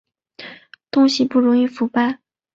东西不容易腐败